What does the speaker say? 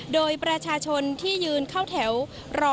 โดยประชาชนที่ยืนเข้าแถวรอ